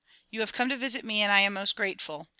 You have come to visit me and I am most grateful.